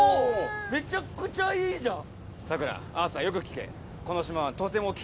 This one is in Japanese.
めちゃくちゃいいじゃん！